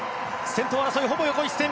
先頭争いほぼ横一線。